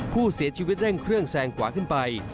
ผู้เสียชีวิตเร่งเครื่องแซงขวาขึ้นไป